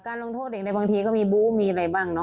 การลงโทษเด็กใดบางทีก็มีบู้มีอะไรบ้าง